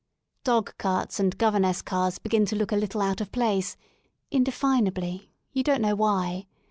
Dogcarts and governess cars begin to look a little out of place, indefinably, you don't know why.